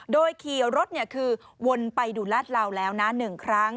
โดยขี่รถคือวนไปดูลาดเหลาแล้วนะ๑ครั้ง